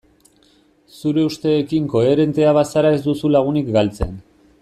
Zure usteekin koherentea bazara ez duzu lagunik galtzen.